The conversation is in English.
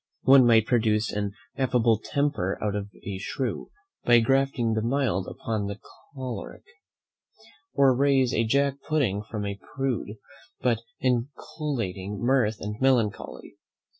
One might produce an affable temper out of a shrew, by grafting the mild upon the choleric; or raise a jack pudding from a prude, by inoculating mirth and melancholy.